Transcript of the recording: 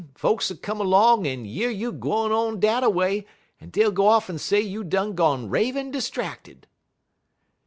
folks'll come 'long en year you gwine on dat a way, en dey'll go off en say you done gone ravin' 'stracted.'